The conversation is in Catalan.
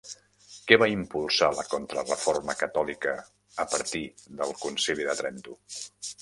Què va impulsar la Contrareforma catòlica a partir del Concili de Trento?